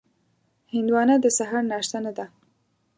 هندوانه د سهار ناشته نه ده.